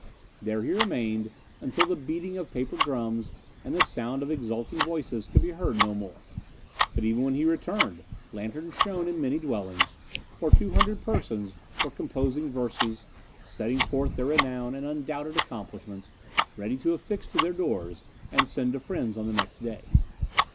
There he remained until the beating of paper drums and the sound of exulting voices could be heard no more; but even when he returned lanterns shone in many dwellings, for two hundred persons were composing verses, setting forth their renown and undoubted accomplishments, ready to affix to their doors and send to friends on the next day.